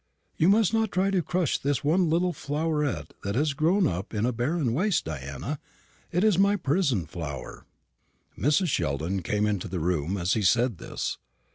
You must not try to crush this one little floweret that has grown up in a barren waste, Diana. It is my prison flower." Mrs. Sheldon came into the room as he said this.